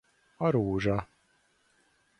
A rózsa.